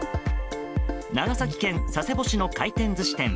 長崎県佐世保市の回転寿司店。